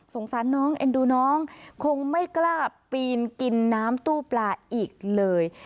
สารน้องเอ็นดูน้องคงไม่กล้าปีนกินน้ำตู้ปลาอีกเลย